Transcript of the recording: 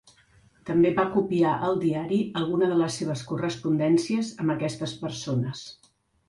També va copiar al diari algunes de les seves correspondències amb aquestes persones.